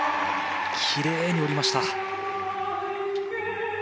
きれいに降りました。